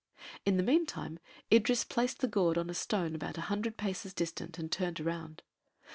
In the meantime Idris placed the gourd on a stone about a hundred paces distant and turned around.